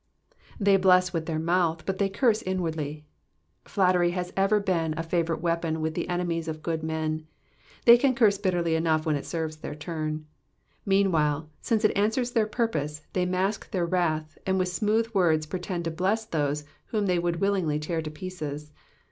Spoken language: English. ^^They bless uith their mouthy hut they curse inwardly.*'' Flattery has ever been a favourite weapon with the enemies of good men ; they can curse bitterly enough when it serves their turn ; meanwhile, smce it answers their purpose, they mask their wrath, and with smooth words pretend to bless those whom they would willingly tear in pieces.